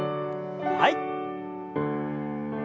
はい。